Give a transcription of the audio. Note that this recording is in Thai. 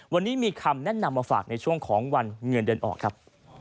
วันนี้มีคำแนะนำมาฝากในช่วงของวันเงินเดือนออกครับ